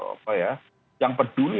apa ya yang peduli